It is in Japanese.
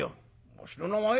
「わしの名前？